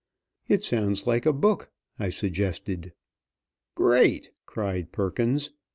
"It sounds like a book," I suggested. "Great!" cried Perkins.